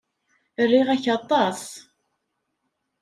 Riɣ-k aṭas.